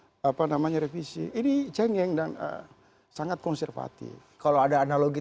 dpr untuk menunda proses apa namanya revisi ini cengeng dan sangat konservatif kalau ada analogi